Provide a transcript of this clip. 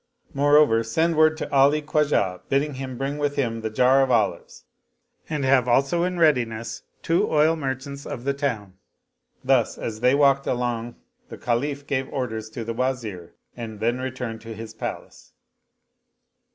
Moreover send word to Ali Khwajah bidding him bring with him the jar of olives, and have also in readiness two oil merchants of the town." Thus as they walked along the Caliph gave orders to the Wazir and then returned to his palace.